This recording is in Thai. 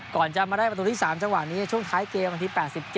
ก่อนจะมาได้ประตูที่๓จังหวะนี้ช่วงท้ายเกมวันที่๘๗